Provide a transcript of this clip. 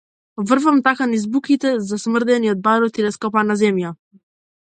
Врвам така низ буките, засмрдени од барут и од раскопана земја.